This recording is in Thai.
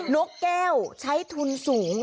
นกแก้วใช้ทุนสูง